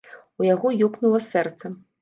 У яго ёкнула сэрца.